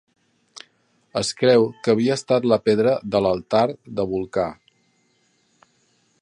Es creu que havia estat la pedra de l'altar de Vulcà.